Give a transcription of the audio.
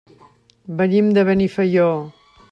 Venim de Benifaió.